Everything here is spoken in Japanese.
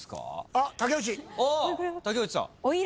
あっ竹内さん。